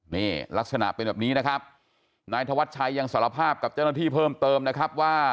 นี่ลักษณะเป็นแบบนี้นะครับนายธวัชชัยยังสารภาพกับเจ้าหน้าที่เพิ่มเติมนะครับว่า